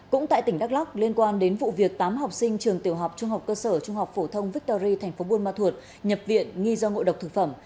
cũng tại tỉnh đắk lóc liên quan đến vụ việc tám học sinh trường tiểu học trung học cơ sở trung học phổ thông victory tp buôn ma thuột nhập viện nghi do ngộ độc thực phẩm